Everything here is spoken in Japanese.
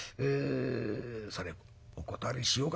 それお断りしようかと思って」。